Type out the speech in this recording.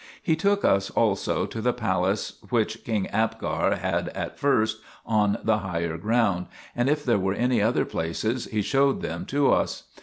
He took us also to the palace which King Abgar had at first, on the higher ground, and if there were any other places he showed them to us.